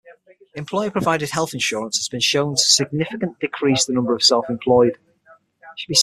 Employer provided health insurance has been shown to significant decrease the number of self-employed.